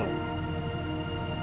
masuk dulu yuk